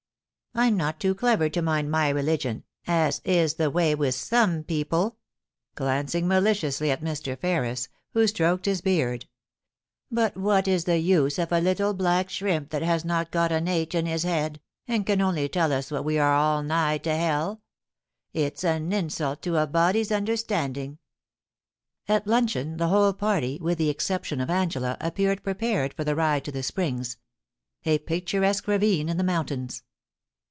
I'm not too clever to mind my religion, as is the way with some people/ glancing maliciously at Mr. Ferris, who stroked his beard ;* but what is the use of a little black shrimp that has not got an h in his head, and can only tell us that we are all nigh to 'elll It's an insult to a body's understanding.' At luncheon, the whole party, with the exception of Angela, appeared prepared for the ride to the Springs — a picturesque ravine in the mountains.